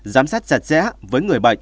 giám sát chặt chẽ với người bệnh